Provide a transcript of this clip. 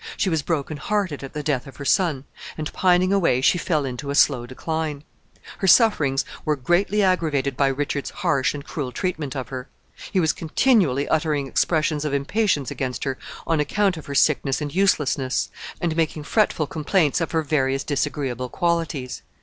She was broken hearted at the death of her son, and pining away, she fell into a slow decline. Her sufferings were greatly aggravated by Richard's harsh and cruel treatment of her. He was continually uttering expressions of impatience against her on account of her sickness and uselessness, and making fretful complaints of her various disagreeable qualities.